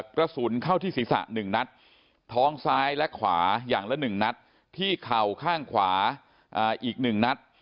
กระสุนเข้าที่ศีรษะ๑นัดท้องซ้ายและขวาอย่างละ๑นัดที่เข่าข้างขวาอีก๑นัด